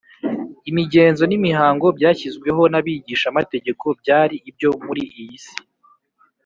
” imigenzo n’imihango byashyizweho n’abigishamategeko byari ibyo muri iyi si,